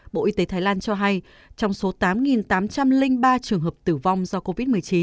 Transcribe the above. bộ y tế thái lan cho hay trong số tám tám trăm linh ba trường hợp tử vong do covid một mươi chín